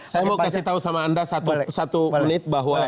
saya mau kasih tahu sama anda satu menit bahwa